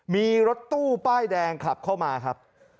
มีรถตู้ป้ายแดงขับเข้ามาครับ